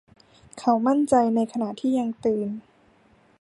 เขามั่นใจในขณะที่ยังตื่น